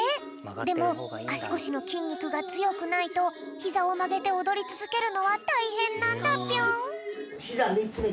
でもあしこしのきんにくがつよくないとひざをまげておどりつづけるのはたいへんなんだぴょん。